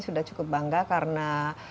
sudah cukup bangga karena